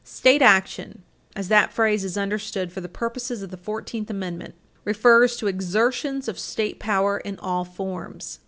State action, as that phrase is understood for the purposes of the Fourteenth Amendment, refers to exertions of state power in all forms.